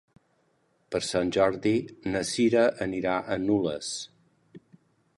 Per Sant Jordi na Cira anirà a Nules.